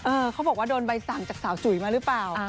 เขาบอกว่าโดนใบสั่งจากสาวจุ๋ยมาหรือเปล่า